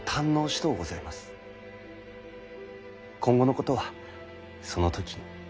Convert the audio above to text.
今後のことはその時に。